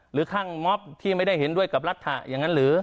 หรือข้างม็อบที่ไม่ได้เห็นด้วยกับรัฐะอย่างนั้นหรือ